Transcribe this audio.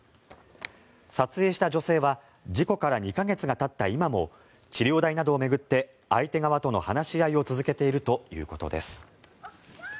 撮影した女性は事故から２か月がたった今も治療代などを巡って相手側との話し合いを続けているということです。